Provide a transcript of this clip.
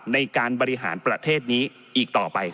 ในการบริหารประเทศนี้อีกต่อไป